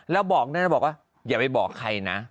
แล้วบอกเนี่ยอย่าไปบอกใครนะ